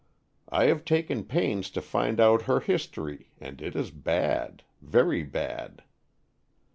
I have taken pains to find out her history and it is bad — very bad.